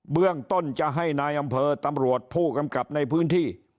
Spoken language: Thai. เบื้องต้นจะให้นายอำเภอตำรวจผู้กำกับในพื้นที่